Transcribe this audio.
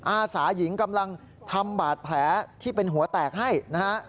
อาสาหญิงกำลังทำบาดแผลที่เป็นหัวแตกให้นะฮะ